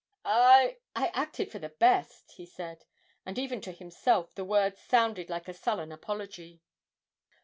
'I I acted for the best,' he said; and even to himself the words sounded like a sullen apology.